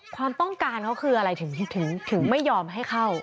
ความต้องการเขาคืออะไรถึงไม่ยอมให้เข้า